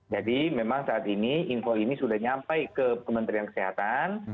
jadi memang saat ini info ini sudah nyampai ke kementerian kesehatan